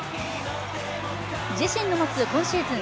自身の持つ今シーズン